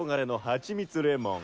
はちみつレモン？